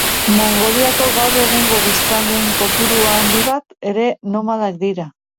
Mongoliako gaur egungo biztanleen kopuru handi bat ere nomadak dira.